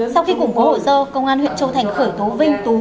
sau khi củng cố hồ sơ công an huyện châu thành khởi tố vinh tú